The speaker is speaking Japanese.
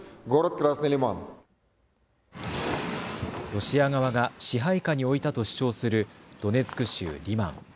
ロシア側が支配下に置いたと主張するドネツク州リマン。